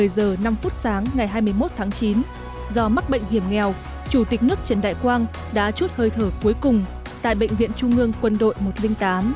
một mươi giờ năm phút sáng ngày hai mươi một tháng chín do mắc bệnh hiểm nghèo chủ tịch nước trần đại quang đã chút hơi thở cuối cùng tại bệnh viện trung ương quân đội một trăm linh tám